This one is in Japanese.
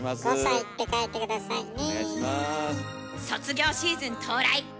卒業シーズン到来。